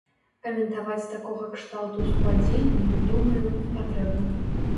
Каментаваць такога кшталту супадзенні, думаю, не патрэбна.